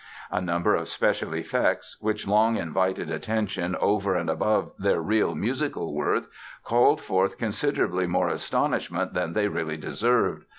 A number of special effects, which long invited attention over and above their real musical worth called forth considerably more astonishment than they really deserved.